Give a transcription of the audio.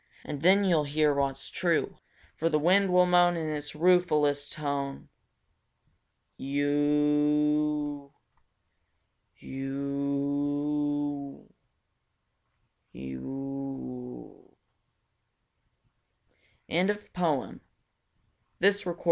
And then you'll hear what's true; For the wind will moan in its ruefulest tone: "Yoooooooo!